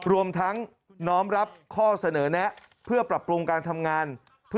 รวมทั้งน้อมรับข้อเสนอแนะเพื่อปรับปรุงการทำงาน